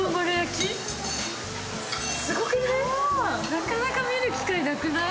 なかなか見る機会なくない？